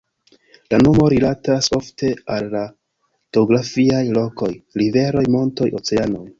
La nomo rilatas ofte al la geografiaj lokoj: riveroj, montoj, oceanoj.